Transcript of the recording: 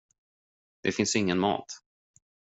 Det finns ingen mat!